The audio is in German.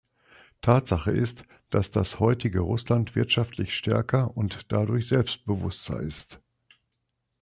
Tatsache ist, dass das heutige Russland wirtschaftlich stärker und dadurch selbstbewusster ist.